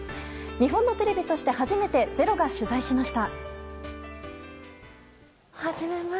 日本のテレビとして初めて「ｚｅｒｏ」が取材しました。